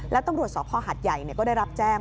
แล้วต้องรวชสอบพ่อหาดใหญ่ก็ได้รับแจ้ง